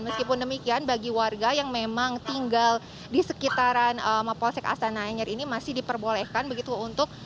meskipun demikian bagi warga yang memang tinggal di sekitaran mapolsek astana anyar ini masih diperbolehkan begitu untuk